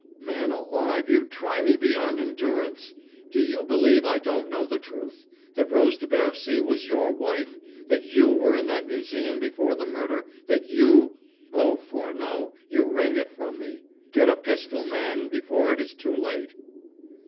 "Man alive, you try me beyond endurance. Do you believe I don't know the truth that Rose de Bercy was your wife that you were in that museum before the murder that you.... Oh, Furneaux, you wring it from me. Get a pistol, man, before it is too late."